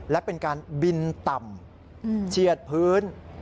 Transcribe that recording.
และเป็นการบินต่ำเฉียดพื้น